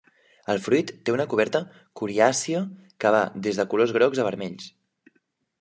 El fruit té una coberta coriàcia que va des de colors grocs a vermells.